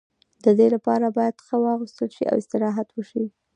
د دې لپاره باید ښه واغوستل شي او استراحت وشي.